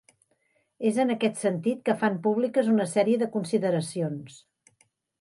És en aquest sentit que fan públiques una sèrie de consideracions.